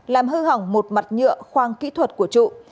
làm hư hỏng một mặt nhựa khoang kỹ thuật của trụ